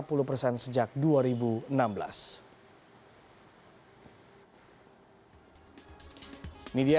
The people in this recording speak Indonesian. ini dia harga pertamina